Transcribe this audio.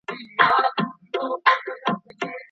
ایا آنلاین ټولګي د مخامخ ټولګیو په پرتله ستړي کوونکي دي؟